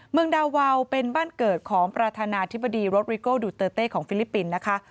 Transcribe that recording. เมืองดาวาวเป็นบ้านเกิดของประธานาธิบดีรถริโก้ดูเตอร์เต้ของฟิลิปปินส์นะคะ